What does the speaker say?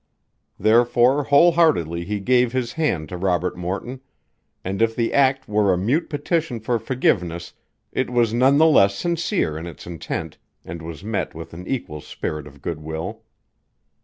Therefore whole heartedly he gave his hand to Robert Morton, and if the act were a mute petition for forgiveness it was none the less sincere in its intent and was met with an equal spirit of good will.